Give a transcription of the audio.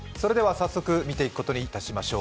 早速見ていくことにいたしましょう。